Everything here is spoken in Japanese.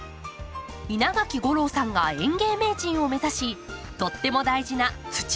稲垣吾郎さんが園芸名人を目指しとっても大事な「土」について学びます。